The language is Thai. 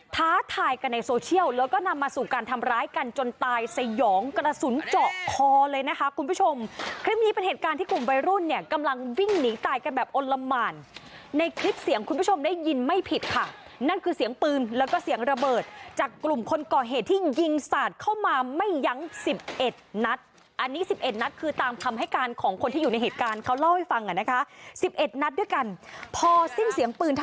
ท้าทายกันในโซเชียลแล้วก็นำมาสู่การทำร้ายกันจนตายสยองกระสุนเจาะคอเลยนะคะคุณผู้ชมคลิปนี้เป็นเหตุการณ์ที่กลุ่มใบรุ่นเนี่ยกำลังวิ่งหนีตายกันแบบอ้นละมานในคลิปเสียงคุณผู้ชมได้ยินไม่ผิดค่ะนั่นคือเสียงปืนแล้วก็เสียงระเบิดจากกลุ่มคนก่อเหตุที่ยิงสาดเข้ามาไม่ยั้งสิบเอ